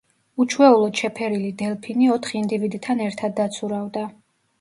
უჩვეულოდ შეფერილი დელფინი ოთხ ინდივიდთან ერთად დაცურავდა.